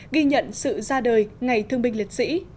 ghi nhận sự ra đời ngày thương binh liệt sĩ